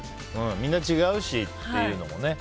みんな違うしっていうのもね。